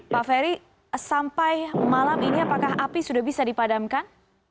pak ferry sampai malam ini apakah api sudah bisa dipadamkan